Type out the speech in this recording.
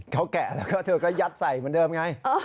เขาแกะแล้วก็เธอก็ยัดใส่เหมือนเดิมไง